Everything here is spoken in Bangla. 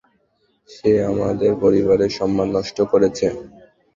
সে আমাদের পরিবারের সম্মান নষ্ট করেছে।